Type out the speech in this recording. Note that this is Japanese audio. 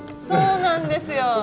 そうなんですよ。